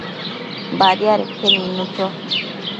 Badiadeque nidnu cho